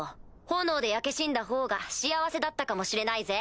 炎で焼け死んだほうが幸せだったかもしれないぜ。